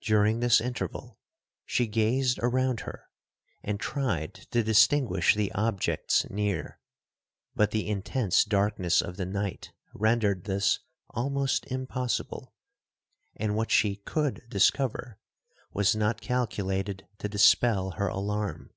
'During this interval, she gazed around her, and tried to distinguish the objects near; but the intense darkness of the night rendered this almost impossible,—and what she could discover, was not calculated to dispel her alarm.